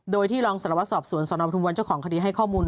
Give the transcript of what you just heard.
โดยที่ลองสารวัตรศอบสวนสบเจ้าของคดีให้ข้อมูล